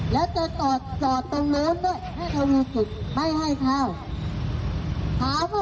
แล้วจะตอดตรงน้ำด้วยให้เอาวิศิษย์ใบให้เค้าถามว่า